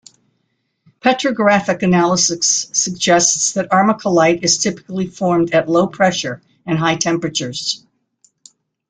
Petrographic analysis suggests that armalcolite is typically formed at low pressures and high temperatures.